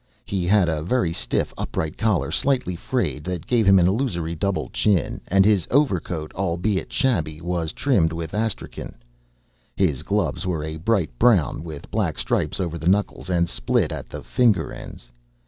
He had a very stiff, upright collar slightly frayed, that gave him an illusory double chin, and his overcoat (albeit shabby) was trimmed with astrachan. His gloves were a bright brown with black stripes over the knuckles, and split at the finger ends.